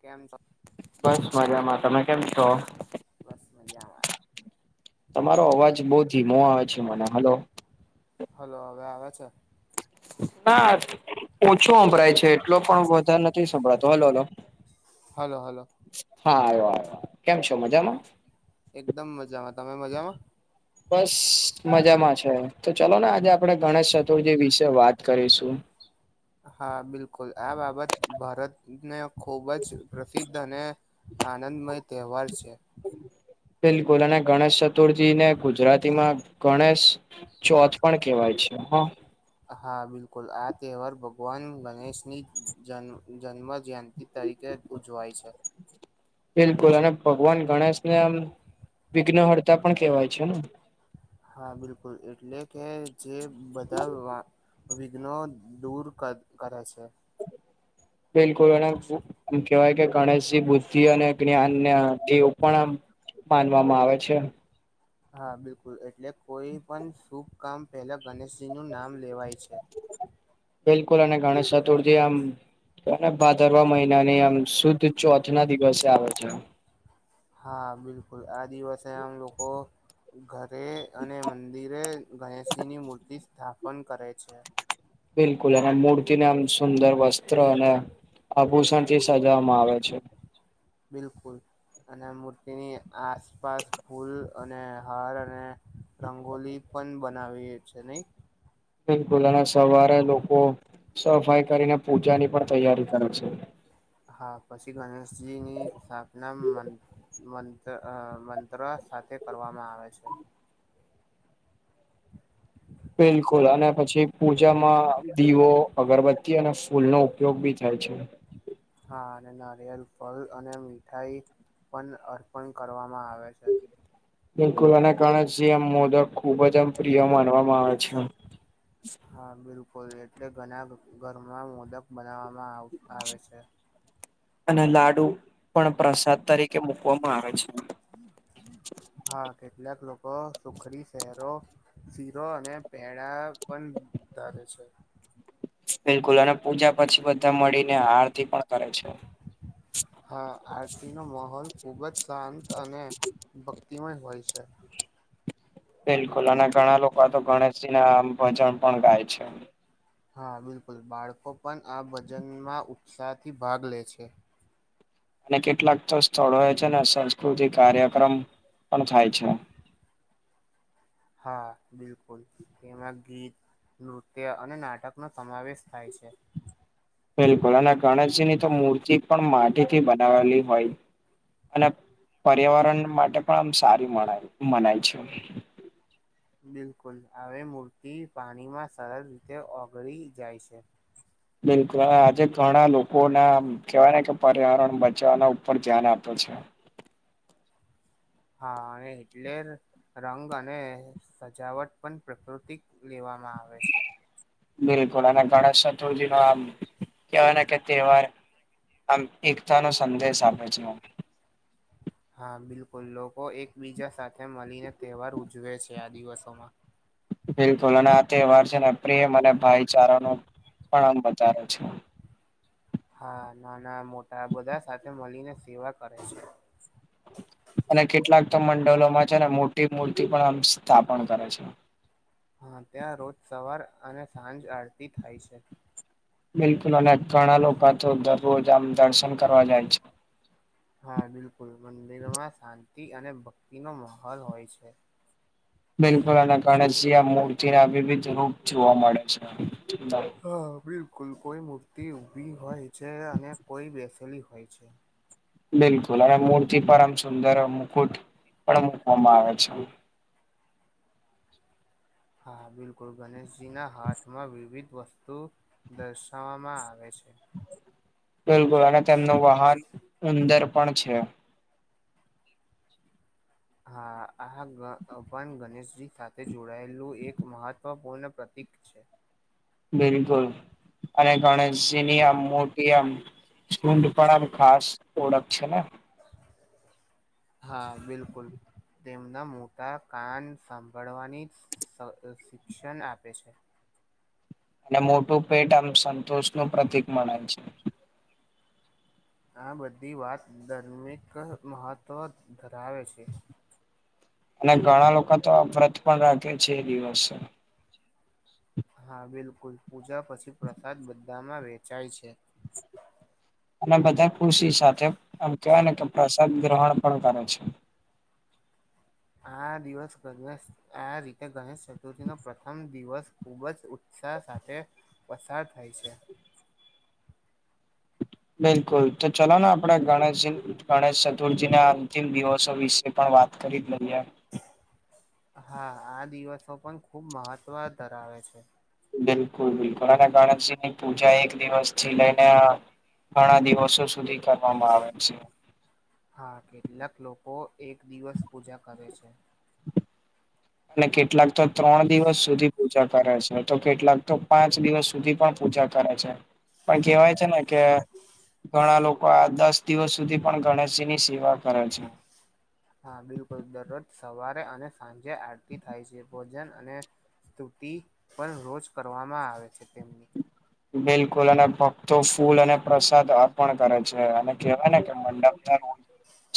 કેમ છો? બસ મજામાં. તમે કેમ છો? બસ મજામાં તમારો અવાજ બહુ ધીમો આવે છે મને હેલો હેલો હવે આવે છે? હા ઓછો સંભરાય છે એટલો પણ વધારે નથી સંભળતો હલો હલો હલો હલો હા આવ્યો આવ્યો કેમ છો મજામાં? હા એકદમ મજામાં તમે મજામાં? બસ મજામાં છે તો ચાલો ને આજે આપણે ગણેશ ચતુર્થી વિશે વાત કરીશું. હા બિલકુલ આ બાબત ભારતને ખુબ જ પ્રસિદ્ધ અને આનંદમય તહેવાર છે. બિલકુલ અને ગણેશ ચતુર્થીને ગુજરાતી માં ગણેશ ચોથ પણ કેવાય છે હા હા બિલકુલ આ તહેવાર ભગવાન ગણેશની જન્મ જયંતિ તરીકે ઉજવાય છે. બિલકુલ અને ભગવાન ગણેશને આમ વિઘ્નહર્તા પણ કેહેવાય છે ને હા બિલકુલ એટલે કે જે બધા વિઘ્નો દૂર કરે છે. બિલકુલ એમ કહેવાય કે ગણેશજી બુધ્ધી અને જ્ઞાન ના દેવ પણ માનવામાં આવે છે. હા બિલકુલ એટલે કોઈ પણ શુભકામ પહેલા ગણેશજીનું નામ લેવાય છે. બિલકુલ અને ગણેશ ચતુર્થી આમ ભાદરવા મહિનાની આમ શુદ્ધ ચોથ ના દિવસે આવે છે. હા બિલકુલ આ દિવાસે આમ લોકો ઘરે અને મંદિરે ગણેશજીની મૂર્તિ સ્થાપન કરે છે. બિલકુલ અને મૂર્તિને આમ સુંદર વસ્ત્ર અને આભૂષણ થી સજવામાં આવે છે. બિલકુલ અને મૂર્તિની આસપાસ ફૂલ અને હાર અને રંગોલી પણ બનાવીએ છે નહી બિલકુલ અને સવારે લોકો સફાઈ કરીને પૂજાની પણ તૈયારી કરે છે. હા પછી ગણેશજી ની સ્થાપના મન મન મંત્ર સાથે કરવામાં આવે છે. બિલકુલ અને પછી પૂજામાં દીવો અગરબત્તી અને ફૂલનો ઉપયોગ બી થાય છે હા અને નારિયેલ, ફળ અને મીઠાઈ પણ અર્પણ કરવામાં આવે છે. બિલકુલ આના કારણે જે આમ મોદક ખુબ જ આમ પ્રિય માનવામાં આવે છે. હા બિલકુલ એટલે ઘણા ઘરમાં મોદક બનાવવામાં આવે આવેે છે અને લાડુ પણ પ્રસાદ તરીકે મકવામાં આવે છે. હા કેટલાક લોકો સુખડી સેહરો શીરો અને પેડા પણ ધરે છે. બિલકુલ અને પૂજા પછી બધા મળીને આરતી પણ કરે છે. હા આરતી નો માહોલ ખૂબ જ શાંત અને ભક્તિમય હોય છે. બિલકુલ અને ઘણા લોકો આ તો ગણેશજી ના ભજન પણ ગાય છે. હા બિલકુલ બાળકો પણ આ ભજનમાં ઉત્સાહથી ભાગ લે છે. અને કેટલાક તો સ્થળો એ છે ને સંસ્કૃતિક કાર્યક્રમ પણ થાય છે. [inaudible] હા બિલકુલ તેમાં ગીત નૃત્ય અને નાટકનો સમાવેશ થાય છે બિલકુલ અને ગણેશજીની તો મૂર્તિ પણ માટી થી બનાવેલી હોય અને પર્યાવરણ માટે પણ આમ સારી મ મનાય છે બિલકુલ આવી મૂર્તિ પાણીમાં સરળ રીતે ઓગળી જાય છે. બિલકુલ આજે ઘણા લોકો ના કેવાય ને કે પર્યાવરણ બચવાના ઉપર ધ્યાન આપે છે હા અને હિટલેર રંગ અને સજાવટ પણ પ્રકૃતિક લેવામાં આવે છે બિલકુલ અને ગણેશ ચતુર્થી નો આમ કહેવાય ને કે તહેવાર આમ એકતા નો સંદેશ આપે છે હા બિલકુલ લોકો એકબીજા સાથે મળીને તહેવાર ઉજવે છે આ દિવસોમાં બિલકુલ અને આ તહેવાર છે ને પ્રેમ અને ભાઈચારા ન પણ આમ વધારે છે હા નાના મોટા બધા સાથે મળીને સેવા કરે છે અને કેટલાક તો મંડલોમાં છે ને મોટી મૂર્તિ પણ આમ સ્થાપન કરે છે હા ત્યાં રોજ સવાર અને સાંજ આરતી થાય છે બિલકુલ અને ઘણા લોકો તો દરરોજ આમ દર્શન કરવા જાય છે હા બિલકુલ મંદિરોમાં શાંતિ અને ભક્તિનો માહોલ હોય છે બિલકુલ અને ગણેશજી આ મૂર્તિ ના વિવિધ રૂપ જોવા મળે છે હા બિલકુલ કોઈ મૂર્તિ ઊભી હોય છે અને કોઈ બેસેલી હોય છે બિલકુલ અને મૂર્તિ પર આમ સુંદર મુકુટ પણ મુકવામાં આવે છે હા બિલકુલ ગણેશજીના હાથમાં વિવિધ વસ્તુ દર્શાવવામાં આવે છે બિલકુલ અને તેમનું વાહન ઉંદર પણ છે હા આપાન ગણેશજી સાથે જોડાયેલું એક મહત્વપૂર્ણ પ્રતિક છે. બિલકુલ અને ગણેશજીની આમ મોટી આમ સૂંઢ પણ આમ ખાસ ઓળખ છે હા બિલકુલ તેમના મોટા કાન સાંભળવાની સ શિક્ષણ આપે છે. અને મોટું પેટ આમ સંતોષ નું પ્રતિક મણાય છે. આ બધી વાત ધર્મિક મહત્ત્વ ધરાવે છે. અને ઘણા લોકો તો આ વ્રત પણ રાખે છે એ દિવસે. હા બિલકુલ પૂજા પછી પ્રસાદ બધામાં વેચાય છે. અને બધા ખુશી સાથે આમ કેવાય ને કે પ્રસાદ ગ્રહણ પણ કરે છે. આ દિવસ [unintelligible] આ રીતે ગણેશ ચતુર્થીનો પ્રથમ દિવસ ખૂબ જ ઉત્સાહ સાથે પસાર થાય છે.. બિલકુલ તો ચલો ને આપણે ગણેશજી ગણેશ ચતુર્થી ના અંતિમ દિવસો વિશે પણ વાત કરી જ લઈએ. હા આ દિવસો પણ ખુબ મહત્વ ધરાવે છે. બિલકુલ બિલકુલ અને ગણેશજી ની પૂજા એક દિવસ થી લઈને ઘણા દિવસો સુધી કરવામાં આવે છે. હા કેટલાક લોકો એક દિવસ પૂજા કરે છે. અને કેટલાક તો ત્રણ દિવસ સુધી પૂજા કરે છે, તો કેટલાક તો પાંચ દિવસ સુધી પણ પૂજા કરે છે, પણ કેહેવાય છે ને કે ઘણા લોકો આ દસ દિવસ સુધી પણ ગણેશજીની સેવા કરે છે. હા બિલકુલ દરરોજ સવારે અને સાંજે આરતી થાય છે. ભોજન અને સ્તુતિ પણ રોજ કરવામાં આવે છે તેમની. બિલકુલ અને ભક્તો ફૂલ અને પ્રસાદ અર્પણ કરે છે, અને કહેવાય ને કે મંડપ ના રો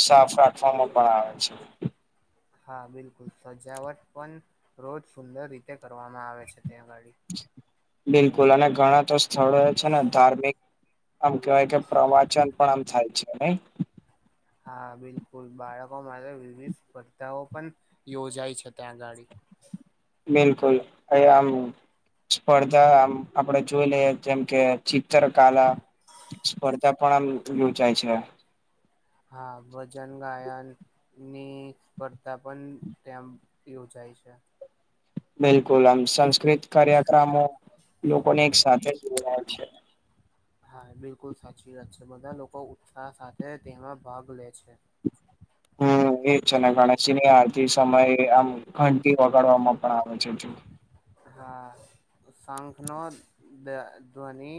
સાફ રાખવામાં પણ આવે છે. હા બિલકુલ સજાવટ પણ રોજ સુંદર રીતે કરવામાં આવે છે ત્યાં અગાડી. બિલકુલ અને ઘણા તો સ્થળો છે ને ધાર્મિક આમ કેવાય કે પ્રવાચન પણ આમ થાય છે નહી. હા બિલકુલ બાળકો માટે વિવિધ સ્પર્ધાઓ પણ યોજાય છે ત્યાં અગાડી. બિલકુલ અ આમ સ્પર્ધા આમ આપડે જોઈ લઈએ જેમ કે ચિત્ર કલા સ્પર્ધા પણ આમ યોજાય છે. હા ભજન ગાયન ની સ્પર્ધા પણ ત્યાં યોજાય છે. બિલકુલ આમ સંસ્કૃત કાર્યક્રમો લોકોને એક સાથે જોડાય છે. હા બિલકુલ સાચી વાત છે બધા લોકો ઉત્સાહ સાથે તેમાં ભાગ લે છે. હમ એજ ને ગણેશજી ની આરતી સમય આમ ઘંટી વગાડવામાં પણ આવે છે. હા શંખનો ધ્વનિ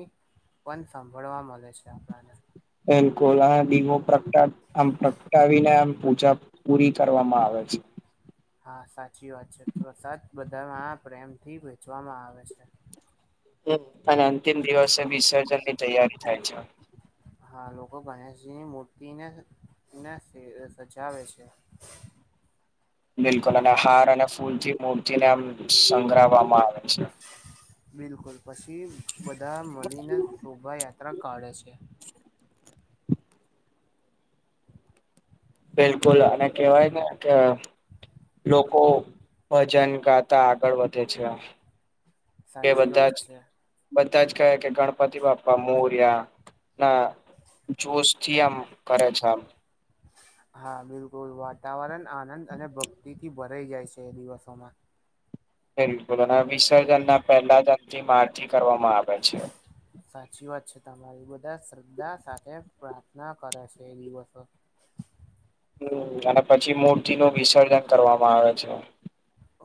પણ સાંભળવા મળે છે, આપણને. બિલકુલ આ દીવો પ્રગટા આમ પ્રગટાવીને આમ પૂછા પૂરી કરવામાં આવે છે. હા સાચી વાત છે પ્રસાદ બધામાં પ્રેમ થી વેચવામાં આવે છે. હ અને અંતિમ દિવસે વિસર્જન ની તૈયારી થાય છે. હા લોકો ગણેશજીની મૂર્તિને ને સજાવે છે. બિલકુલ અને હાર અને ફૂલથી મૂર્તિને આમ સંગ્રહવામાં આવે છે. બિલકુલ પછી બધા મળીને શોભાયાત્રા કાઢે છે. [inaudible] બિલકુલ અને કેવાય ને કે લોકો ભજન ગાતા આગળ વધે છે. કે સાચી બધા વાત જ છે. બધા જ કહે કે ગણપતિ બાપા મોર્યા. ના જોશ થી આમ કરે છે. આમ હા બિલકુલ વાતાવરણ આનંદ અને ભક્તિથી ભ રાઈ જાય છે એ દિવસોમાં બિલકુલ વિસર્જન ના પહેલા જનથી મા આરતી કરવામાં આવે છે. સાચી વાત છે તમારી બધા શ્રદ્ધા સાથે પ્રાર્થના કરે છે એ દિવસો હમ્મ અને પછી મૂર્તિ નું વિસર્જન કરવામાં આવે છે.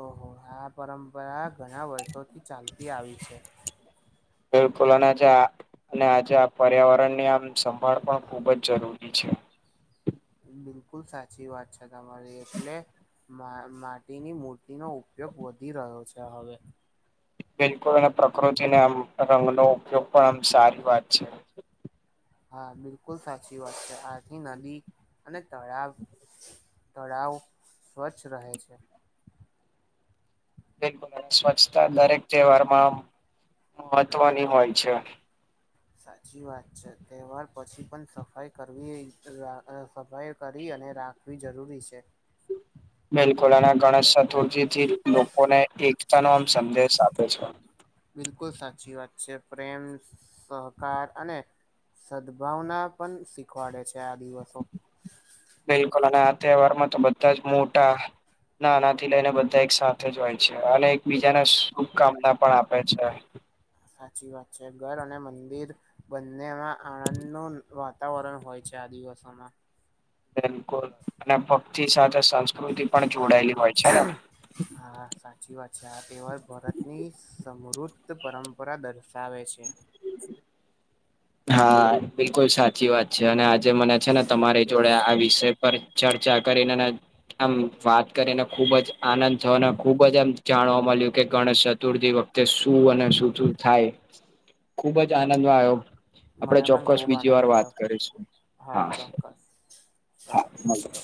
ઓહો આ પરંપરા ઘણા વર્ષોથી ચાલતી આવી છે. બિલકુલ અને આજે અને આજે આ પર્યાવરણ ની આમ સંભાળ પણ ખુબ જ જરૂરી છે. બિલકુલ સાચી વાત છે તમારી એટલે મા માટીની મૂર્તિનો ઉપયોગ વધી રહ્યો છે હવે. બિલકુલ અને પ્રકૃતિ અને આમ રંગનો ઉપયોગ પણ આમ સારી વાત છે. હા બિલકુલ સાચી વાત છે આથી નદી અને તળાવ તળાવ સ્વચ્છ રહે છે. બિલકુલ સ્વચ્છતા દરેક તહેવારમાં મહત્વની હોય છે. સાચી વાત છે તહેવાર પછી પણ સફાઈ કરવી સફાઈ કરી અને રાખ વી જરૂરી છે. બિલકુલ અને ગણેશ ચતુર્થી થી લોકોને એકતા નો આમ સંદેશ આપે છે. બિલકુલ સાચી વાત છે પ્રેમ સહકાર અને સદભાવના પણ શીખવાડે છે આ દિવસો બિલકુલ અને આ તહેવારમાં તો બધા જ મોટા નાનાથી લઈને બધા એક સાથે જ હોય છે અને એકબીજાને શુભકામના પણ આપે છે. સાચી વાત છે ઘર અને મંદિર બંનેમાં આનંદ નો વા તાવરણ હોય છે આ દિવસોમાં. બિલકુલ અને ભક્તિ સાથે સંસ્કૃતિ પણ જોડાયેલી હોય છે ને. હા સાચી વાત છે આ કહેવાય ભારતની સમૃદ્ધ પરંપરા દર્શાવે છે. [inaudible] હા બિલકુલ સાચી વાત છે અને આજે મને છે ને તમારી જોડે આ વિષય પર ચર્ચા કરીને આમ વાત કરીને ખુબજ આનંદ થયો ને ખુબજ એમ જાણવા મળ્યું કે ગણેશ ચતુર્થી વખતે શું અને શું શું થાય ખુબજ આનંદ આયો મને પણ ખુબ આનંદ આયો કરીશું હા ચોક્કસ. ચાલો આવજો.